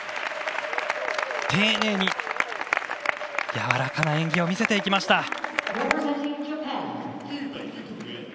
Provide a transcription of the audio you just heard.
丁寧にやわらかな演技を見せていきました。